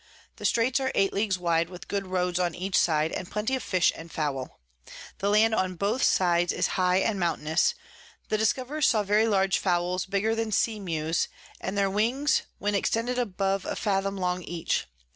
The Straits are 8 Leagues wide, with good Roads on each side, and plenty of Fish and Fowl. The Land on both sides is high and mountainous. The Discoverers saw very large Fowls bigger than Sea Mews, and their Wings when extended above a Fathom long each.